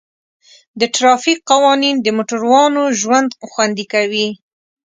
د ټرافیک قوانین د موټروانو ژوند خوندي کوي.